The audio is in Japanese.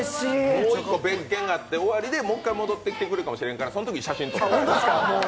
もう一個別件があってそれ終わってもう一回戻ってきてくれるかもしれへんから、そのときに写真撮りましょう。